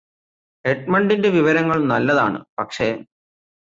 എഡ്മണ്ടിന്റെ വിവരങ്ങള് നല്ലതാണ് പക്ഷേ